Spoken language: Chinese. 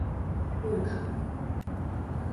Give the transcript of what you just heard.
不疼